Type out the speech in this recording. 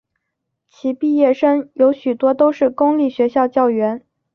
其毕业生有许多都是公立学校教员。